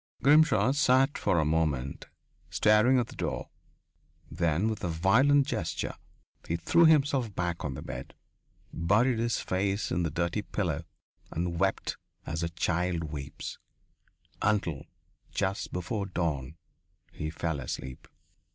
Grimshaw sat for a moment staring at the door. Then with a violent gesture he threw himself back on the bed, buried his face in the dirty pillow and wept as a child weeps, until, just before dawn, he fell asleep....